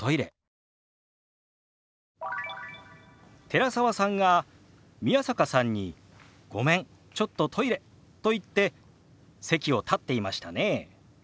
寺澤さんが宮坂さんに「ごめんちょっとトイレ」と言って席を立っていましたね。